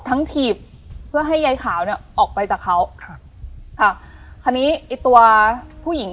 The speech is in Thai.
ทั้งถีบเพื่อให้ยายขาวเนี้ยออกไปจากเขาค่ะคันนี้ไอตัวผู้หญิง